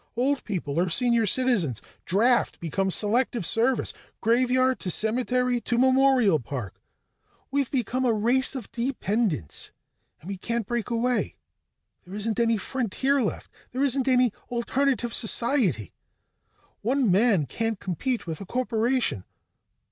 Old people are Senior Citizens. Draft becomes Selective Service. Graveyard to cemetery to memorial park. We've become a race of dependents. And we can't break away: there isn't any frontier left, there isn't any alternative society, one man can't compete with a corporation.